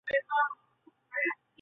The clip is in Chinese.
母臧氏。